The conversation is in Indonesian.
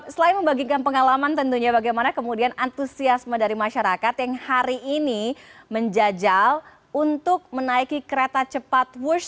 selain membagikan pengalaman tentunya bagaimana kemudian antusiasme dari masyarakat yang hari ini menjajal untuk menaiki kereta cepat wush